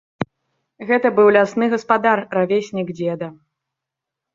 Гэта быў лясны гаспадар, равеснік дзеда.